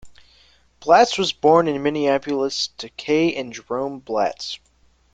Blatz was born in Minneapolis to Kay and Jerome Blatz.